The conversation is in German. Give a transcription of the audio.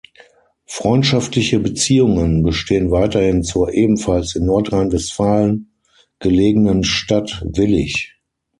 Freundschaftliche Beziehungen bestehen weiterhin zur ebenfalls in Nordrhein-Westfalen gelegenen Stadt Willich.